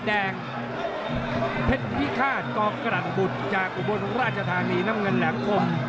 แดงเพ็ดพิคาตกรอกกระดันบุตรจากอุบัติราชธานีน้ำเงินแหลกคม